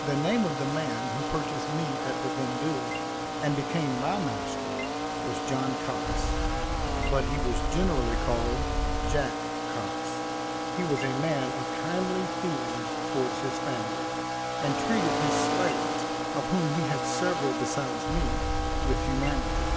The name of the man who purchased me at the vendue, and became my master, was John Cox; but he was generally called Jack Cox. He was a man of kindly feelings towards his family, and treated his slaves, of whom he had several besides me, with humanity.